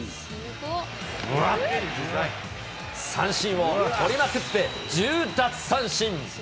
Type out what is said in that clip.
三振を取りまくって、１０奪三振。